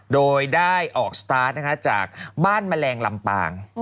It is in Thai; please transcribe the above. โดยได้ออกสตาร์ทนะคะจากบ้านแมลงลำปาง